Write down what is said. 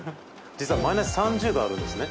造マイナス３０度あるんですね